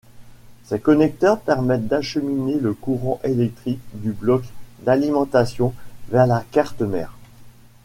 Ces connecteurs permettent d'acheminer le courant électrique du bloc d'alimentation vers la carte mère.